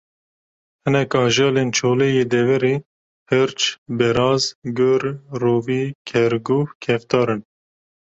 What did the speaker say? Hinek ajalên çolê yê deverê: hirç, beraz, gur, rovî, kerguh, keftar in